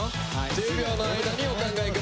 １０秒の間にお考え下さい。